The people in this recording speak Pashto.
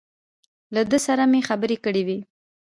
له ده سره مې خبرې کړې وې.